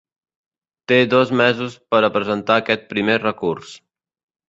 Té dos mesos per a presentar aquest primer recurs.